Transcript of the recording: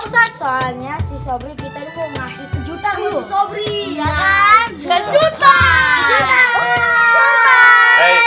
soalnya si sobri kita juga masih kejutan sobrinya kan juta